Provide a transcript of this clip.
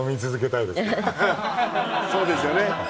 そうですよね。